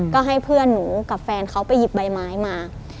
ก็ให้เพื่อนหนูกับแฟนเขาไปหยิบใบไม้มา